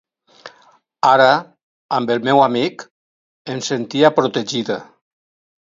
Ara, amb el meu amic, em sentia protegida.